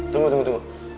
tunggu tunggu tunggu